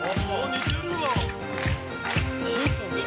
・似てる！